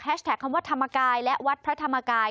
คำว่าธรรมกายและวัดพระธรรมกาย